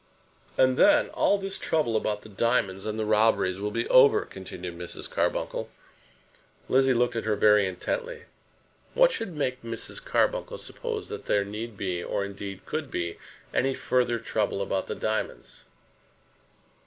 "And then all this trouble about the diamonds and the robberies will be over," continued Mrs. Carbuncle. Lizzie looked at her very intently. What should make Mrs. Carbuncle suppose that there need be, or, indeed, could be, any further trouble about the diamonds?